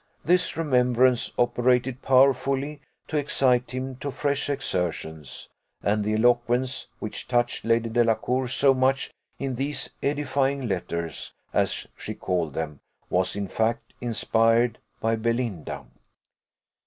This remembrance operated powerfully to excite him to fresh exertions, and the eloquence which touched Lady Delacour so much in these "edifying" letters, as she called them, was in fact inspired by Belinda.